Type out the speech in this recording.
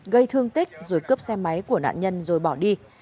gây thương tích rồi cướp xe máy của nạn nhân rồi bỏ đi